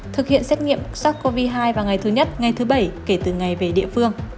thực hiện xét nghiệm sars cov hai vào ngày thứ nhất ngày thứ bảy kể từ ngày về địa phương